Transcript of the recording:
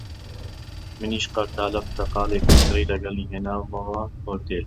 منیش قەرتاڵە پرتەقاڵێکم کڕی، لەگەڵی هێنامەوە ئوتێل